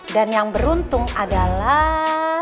dan yang beruntung adalah